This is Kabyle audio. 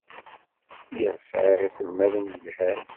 Lliɣ sɛiɣ iselmaden yelhan.